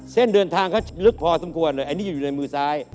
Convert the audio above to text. เส้นทางเดินทางเขาลึกพอสมควรเลยอันนี้จะอยู่ในมือซ้าย